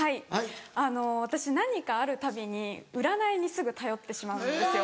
あの私何かあるたびに占いにすぐ頼ってしまうんですよ。